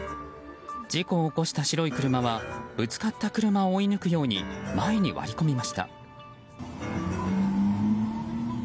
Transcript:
事故を起こした白い車はぶつかった車を追い抜くように前に割り込みました。